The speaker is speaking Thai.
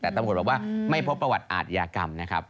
แต่ตำรวจบอกว่าไม่พบประวัติอาทยากรรมนะครับ